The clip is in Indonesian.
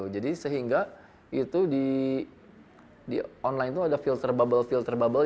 jadi sehingga itu di online itu ada filter bubble filter bubble